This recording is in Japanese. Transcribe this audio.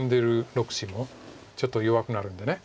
６子もちょっと弱くなるんで。